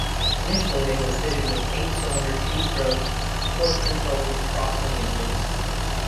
Initially they were fitted with eight-cylinder two-stroke, port-controlled Crossley engines.